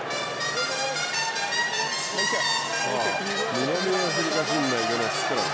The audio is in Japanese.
南アフリカ陣内でのスクラム。